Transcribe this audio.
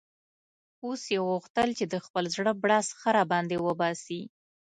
اوس یې غوښتل چې د خپل زړه بړاس ښه را باندې وباسي.